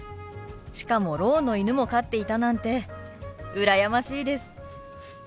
しかもろうの犬も飼っていたなんて羨ましいです。